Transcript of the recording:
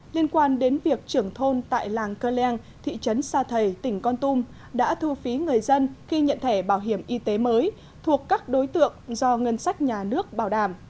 liên quan đến việc trưởng thôn tại làng cơ leng thị trấn sa thầy tỉnh con tum đã thu phí người dân khi nhận thẻ bảo hiểm y tế mới thuộc các đối tượng do ngân sách nhà nước bảo đảm